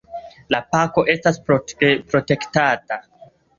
La parko estas protektata.